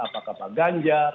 apakah pak ganjar